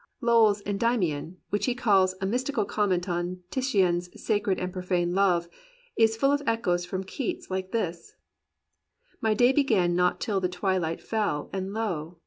Lowell's "Endymion," which he calls "a mystical comment on Titian's * Sacred and Profane Love,' " is full of echoes from Keats, like this: "My day began not till the twilight fell And lo